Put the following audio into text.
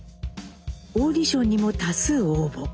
オーディションにも多数応募。